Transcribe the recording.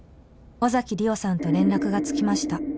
「尾崎莉桜さんと連絡がつきました」